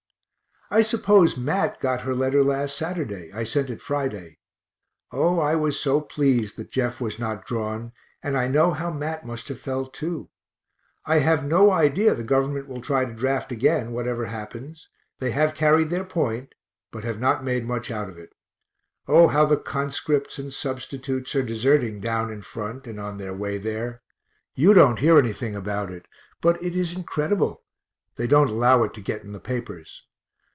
I suppose Mat got her letter last Saturday; I sent it Friday. O I was so pleased that Jeff was not drawn, and I know how Mat must have felt too; I have no idea the Government will try to draft again, whatever happens they have carried their point, but have not made much out of it. O how the conscripts and substitutes are deserting down in front and on their way there you don't hear anything about it, but it is incredible they don't allow it to get in the papers.